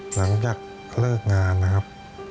หลังจากเลิกงานนะครับ